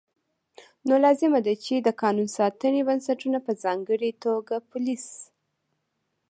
نو لازمه ده چې د قانون ساتنې بنسټونه په ځانګړې توګه پولیس